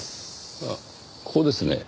ああここですね。